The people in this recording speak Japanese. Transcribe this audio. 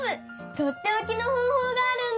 とっておきのほうほうがあるんだ。